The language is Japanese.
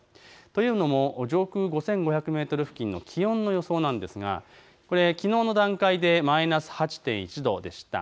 というのも上空５５００メートル付近の気温の予想なんですが、きのうの段階でマイナス８．１度でした。